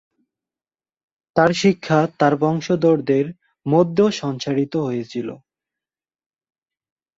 তাঁর শিক্ষা তাঁর বংশধরদের মধ্যেও সঞ্চারিত হয়েছিল।